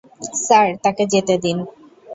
Sir, তাকে যেতে দিন!